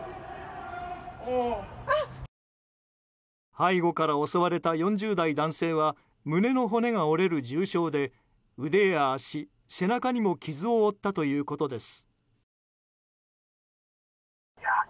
背後から襲われた４０代男性は胸の骨が折れる重傷で、腕や足背中にも傷を負ったということです。